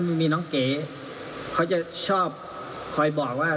มันมีน้องเก๋เขาจะชอบคอยบอกว่า